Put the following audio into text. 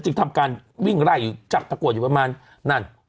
ทำการวิ่งไล่จับตะกรวดอยู่ประมาณนั่น